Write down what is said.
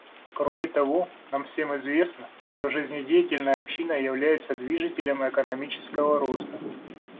Кроме того, нам всем известно, что жизнедеятельная община является движителем экономического роста.